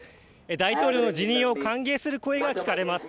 大統領の辞任を歓迎する声が聞かれます。